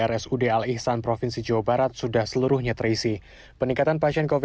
rs ud al ihsan provinsi jawa barat sudah seluruhnya terisi peningkatan passion copy